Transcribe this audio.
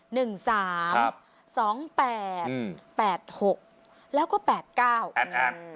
หนึ่งสามครับสองแปดอืมแปดหกแล้วก็แปดเก้าแปดอัน